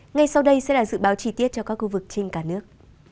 ngay sau đây sẽ là dự báo chi tiết cho các khu vực trên cả nước